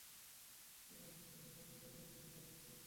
এমন কোনও জায়গা নেই যেখানে তুমি সোনা ফলাওনি!